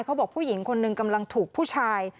เขาบอกผู้หญิงคนนึงกำลังถูกผู้ชาย